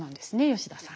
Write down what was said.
吉田さん。